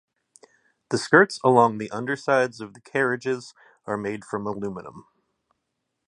The skirts along the undersides of the carriages are made from aluminium.